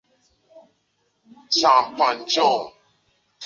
周寒梅任经理。